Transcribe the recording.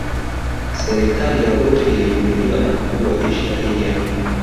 Serikali ya Obote ilipinduliwa na mkuu wa jeshi Idi Amini